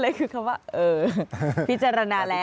อะไรคือคำว่าเออพิจารณาแล้ว